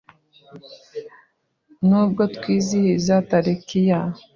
Nubwo twizihiza tariki ya